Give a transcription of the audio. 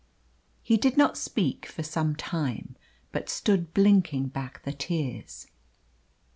He did not speak for some time, but stood blinking back the tears.